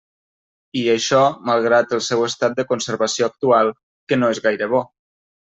I, això, malgrat el seu estat de conservació actual, que no és gaire bo.